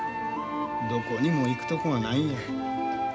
どこにも行くとこがないんや。